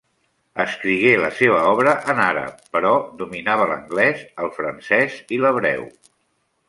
Escrigué la seva obra en àrab, però dominava l'anglès, el francès i l'hebreu.